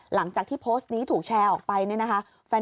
หลังจากที่โพสต์นี้ถูกแชร์ออกไปเนี่ยนะคะ